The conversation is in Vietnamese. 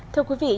thưa quý vị